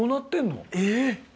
えっ⁉